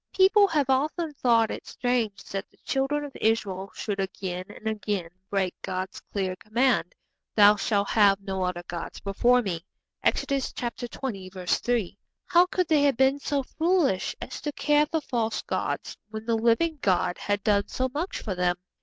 People have often thought it strange that the Children of Israel should again and again break God's clear command, 'Thou shall have no other gods before Me.' (Exodus xx. 3.) How could they have been so foolish as to care for false gods when the living God had done so much for them?